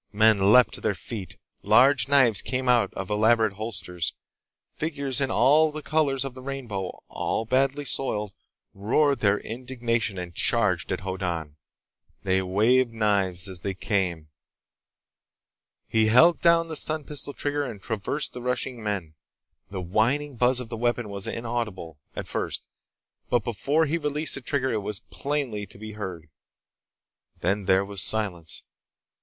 Men leaped to their feet. Large knives came out of elaborate holsters. Figures in all the colors of the rainbow—all badly soiled—roared their indignation and charged at Hoddan. They waved knives as they came. He held down the stun pistol trigger and traversed the rushing men. The whining buzz of the weapon was inaudible, at first, but before he released the trigger it was plainly to be heard. Then there was silence.